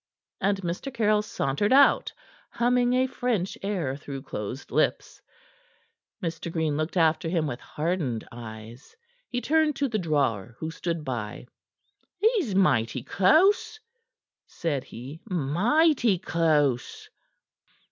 And Mr. Caryll sauntered out, humming a French air through closed lips. Mr. Green looked after him with hardened eyes. He turned to the drawer who stood by. "He's mighty close," said he. "Mighty close!"